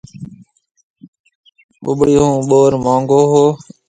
ٻُٻڙِي ھون ٻور مونگو ھو